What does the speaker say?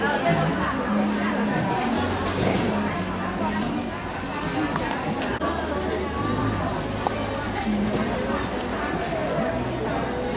แล้ววันนี้เราสั่งสองโลก